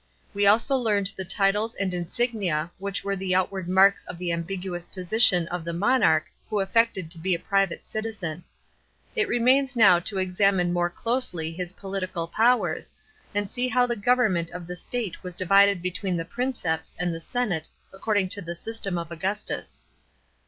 We also learned the titles and insignia which were the outward marks of the ambiguous position of the monarch who affected to be a private citizen. It remains now to examine more closely his political powers, and see how the govern ment of the state was divided between the Princeps and the senate according to the system of Augustus.